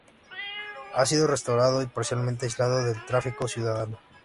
Ha sido restaurado y parcialmente aislado del tráfico ciudadano.